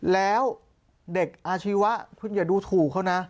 แล้วเด็กอาชีวะคุณอย่าดูถูกเขานะ